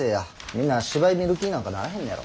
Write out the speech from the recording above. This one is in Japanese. みんな芝居見る気ぃになんかなれへんのやろ。